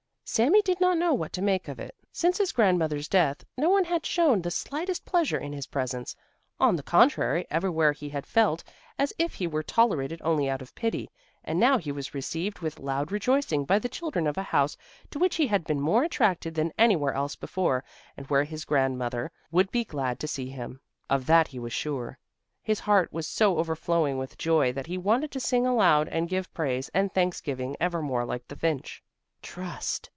Sami did not know what to make of it. Since his grandmother's death, no one had shown the slightest pleasure in his presence; on the contrary everywhere he had felt as if he were tolerated only out of pity, and now he was received with loud rejoicing by the children of a house to which he had been more attracted than anywhere else before, and where his grandmother would be glad to see him; of that he was sure. His heart was so overflowing with joy that he wanted to sing aloud and give praise and thanksgiving evermore like the finch: "Trust!